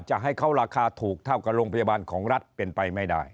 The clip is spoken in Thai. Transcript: จะให้เขาราคาถูกเท่ากับโรงพยาบาลของรัฐเป็นไปไม่ได้